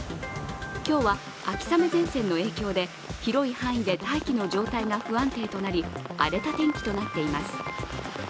今日は秋雨前線の影響で広い範囲で大気の状態が不安定となり、荒れた天気となっています。